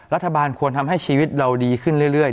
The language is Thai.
รัฐบาลควรทำให้ชีวิตเราดีขึ้นเรื่อย